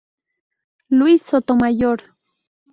Luis Sotomayor